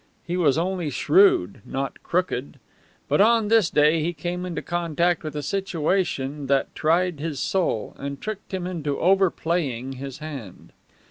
He was only shrewd, not crooked. But on this day he came into contact with a situation that tried his soul, and tricked him into overplaying his hand.